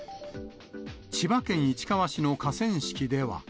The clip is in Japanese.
千葉県市川市の河川敷では。